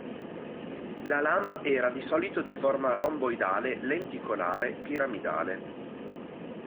La lama era di solito di forma romboidale, lenticolare, piramidale.